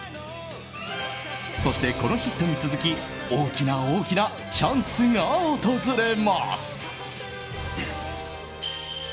そして、このヒットに続き大きな大きなチャンスが訪れます。